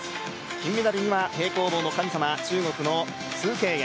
金メダルには平行棒の神様中国の鄒敬園。